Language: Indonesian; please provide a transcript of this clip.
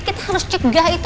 kita harus cegah itu